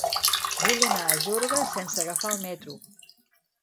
Vull anar a Jorba sense agafar el metro.